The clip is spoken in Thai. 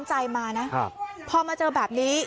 ร้อนใจมานะเพาะมาเจอแบบนี้